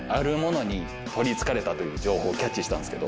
という情報をキャッチしたんですけど。